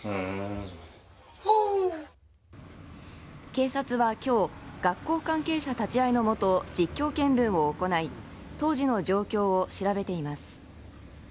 警察は今日学校関係者立ち会いのもと実況見分を行い当時の状況を調べています。